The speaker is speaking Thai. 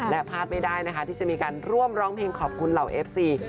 และพลาดไม่ได้นะคะที่จะมีการร่วมร้องเพลงขอบคุณเหล่าเอฟซี